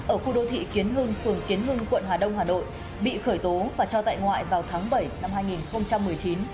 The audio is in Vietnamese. ở khu đô thị kiến hưng phường kiến hưng quận hà đông hà nội bị khởi tố và cho tại ngoại vào tháng bảy năm hai nghìn một mươi chín